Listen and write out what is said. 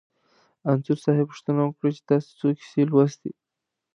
انځور صاحب پوښتنه وکړه چې تاسې څو کیسې لوستي.